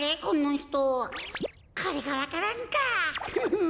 これがわか蘭かフフン。